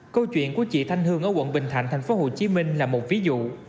câu chuyện của chị thanh hương ở quận bình thạnh tp hcm là một ví dụ